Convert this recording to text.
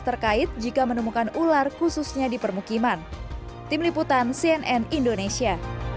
terkait jika menemukan ular khususnya di permukiman tim liputan cnn indonesia